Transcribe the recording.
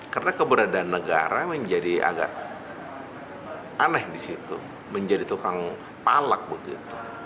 karena keberadaan negara menjadi agak aneh disitu menjadi tukang palak begitu